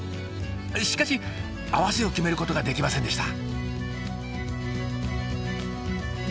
しかし合わせを決めることができませんでした。